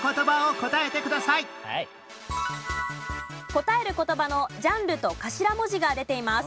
答える言葉のジャンルと頭文字が出ています。